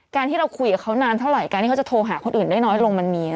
การที่เราคุยกับเขานานเท่าไหร่การที่เขาจะโทรหาคนอื่นได้น้อยลงมันมี